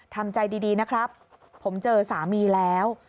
ทำใจดีนะครับผมเจอสามีแล้ว